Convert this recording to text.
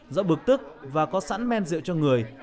giữa bực tức và có sẵn men rượu cho người